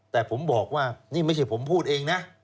แต่ผมบอกว่านี่ไม่ใช่ผมพูดเองนะ